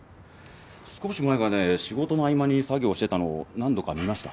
少し前まで仕事の合間に作業してたのを何度か見ました。